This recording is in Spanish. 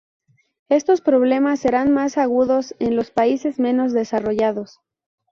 Estos problemas serán más agudos en los países menos desarrollados.